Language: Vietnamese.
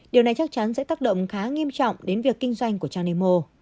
điều này chắc chắn sẽ tác động khá nghiêm trọng đến việc kinh doanh của trang nemo